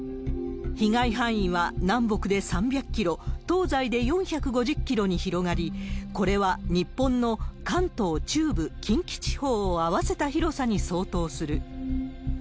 被害範囲は南北で３００キロ、東西で４５０キロに広がり、これは日本の関東、中部、近畿地方を合わせた広さに相当する。